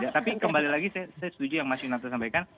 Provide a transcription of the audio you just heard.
tapi kembali lagi saya setuju yang mas yunato sampaikan